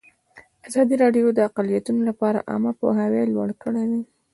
ازادي راډیو د اقلیتونه لپاره عامه پوهاوي لوړ کړی.